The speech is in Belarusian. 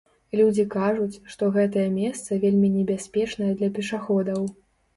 Людзі кажуць, што гэтае месца вельмі небяспечнае для пешаходаў.